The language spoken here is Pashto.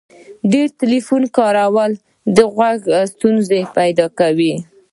ډیر ټلیفون کارول د غوږو ستونزي پیدا کوي.